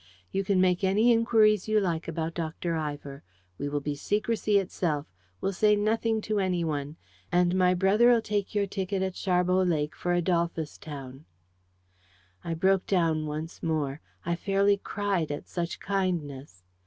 You can make any inquiries you like about Dr. Ivor. We will be secrecy itself. We'll say nothing to anyone. And my brother'll take your ticket at Sharbot Lake for Adolphus Town." I broke down once more. I fairly cried at such kindness.